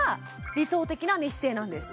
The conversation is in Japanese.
理想的な寝姿勢なんです